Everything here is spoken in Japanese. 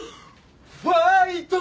「ファイト！」